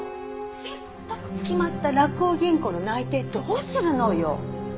せっかく決まった洛央銀行の内定どうするのよ！